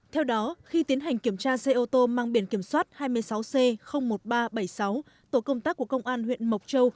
theo đó khi tiến hành kiểm tra xe ô tô mang biển kiểm soát hai mươi sáu c một nghìn ba trăm bảy mươi sáu tổ công tác của công an huyện mộc châu